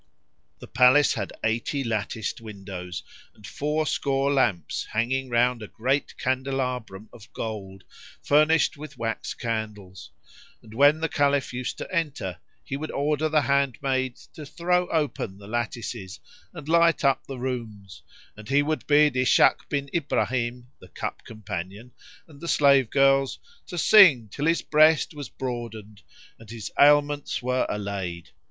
The palace had eighty latticed windows and fourscore lamps hanging round a great candelabrum of gold furnished with wax candles; and, when the Caliph used to enter, he would order the handmaids to throw open the lattices and light up the rooms; and he would bid Ishak bin Ibrahim the cup companion and the slave girls to sing till his breast was broadened and his ailments were allayed.